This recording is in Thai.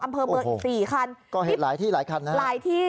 อำเภอเมืองอีกสี่คันก่อเหตุหลายที่หลายคันนะหลายที่